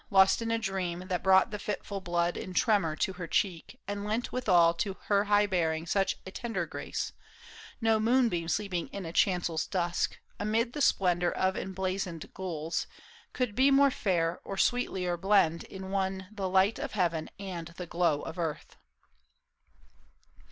Lost in a dream that brought the fitful blood In tremor to her cheek, and lent withal To her high bearing such a tender grace — No moonbeam sleeping in a chancel's dusk, Amid the splendor of emblazoned gules. Could be more fair, or sweetlier blend in one The light of heaven and the glow of earth.